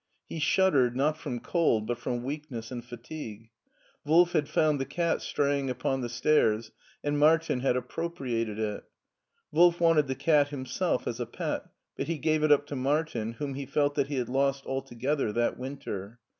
He shuddered, not from cold but from weakness and fatigue. Wolf had found the cat straying upon the stairs, and Martin had appro priated it. Wolf wanted the cat himself as a pet, but he gave it up to Martin, whom he felt that he had lost altogether that winter.